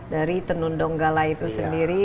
dari tenun tiong tonggala itu sendiri